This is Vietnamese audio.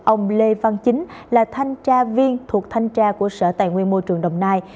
ông lê văn chính là thanh tra viên thuộc thanh tra của sở tài nguyên môi trường đồng nai